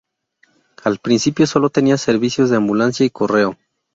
Al principio solo tenía servicios de ambulancia y correo.